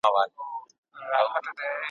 د ګډون کولو بلنه راکړه `